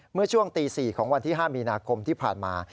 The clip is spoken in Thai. เมื่อช่วงตี๔ของวันที่๕มีนาคมที่ผ่านมา